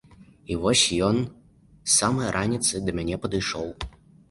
І вось ён з самай раніцы да мяне падышоў.